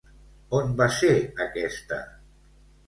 On va ser aquesta?